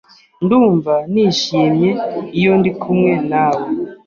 Ndumva nishimye iyo ndi kumwe nawe.